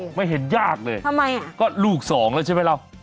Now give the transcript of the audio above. ทำไมอะก็ลูกสองแล้วใช่ไหมเรา